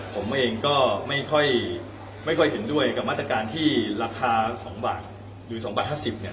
ผมเองก็ไม่ค่อยเห็นด้วยกับมาตรการที่ราคา๒บาทหรือ๒บาท๕๐เนี่ย